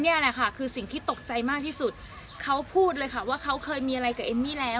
นี่แหละค่ะคือสิ่งที่ตกใจมากที่สุดเขาพูดเลยค่ะว่าเขาเคยมีอะไรกับเอมมี่แล้ว